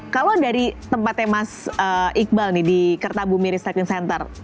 kalau dari tempatnya mas iqbal nih di kertabu miri stacking center